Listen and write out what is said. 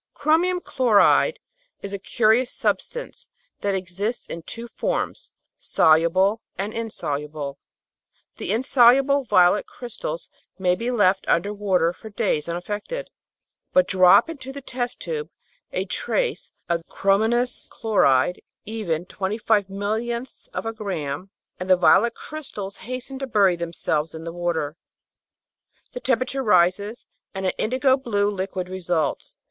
Chromic chloride is a curious substance that exists in two forms, soluble and insoluble. The "insoluble" violet crystals may be left under water for days unaffected; but drop into the test tube a trace of chromous chloride, even 0.000025 of a gram, and the violet crystals hasten to bury themselves in the water, the temperature rises, and an indigo blue liquid results.